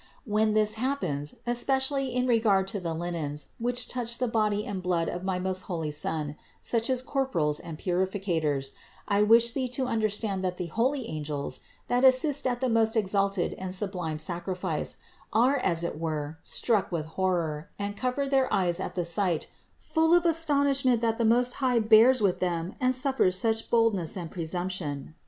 When this happens, especially in regard to the linens, which touch the body and blood of my most holy Son, such as corporals and purificators, I wish thee to understand that the holy angels, that assist at the most exalted and sublime sacrifice, are as it were struck with horror and cover their eyes at the sight, full of astonish ment that the Most High bears with them and suffers such boldness and presumption.